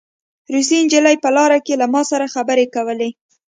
روسۍ نجلۍ په لاره کې له ما سره خبرې کولې